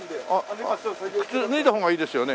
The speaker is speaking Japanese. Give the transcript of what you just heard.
靴脱いだ方がいいですよね？